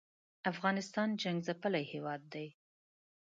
افغانستان جنګ څپلی هېواد دی